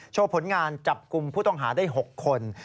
ผลงานจับกลุ่มผู้ต้องหาได้๖คน